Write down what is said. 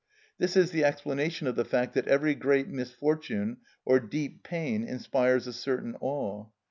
This is the explanation of the fact that every great misfortune or deep pain inspires a certain awe.